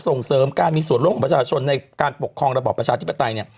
ส่งเสริมการมีส่วนร่วมของประชาชนในการปกครองระบอบประชาธิปไตยเนี่ย